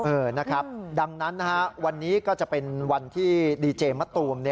เออนะครับดังนั้นนะฮะวันนี้ก็จะเป็นวันที่ดีเจมะตูม